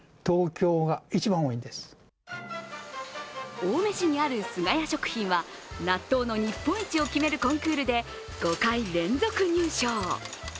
青梅市にある菅谷食品は納豆の日本一を決めるコンクールで５回連続入賞。